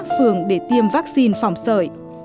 phường để tiêm vaccine phòng sởi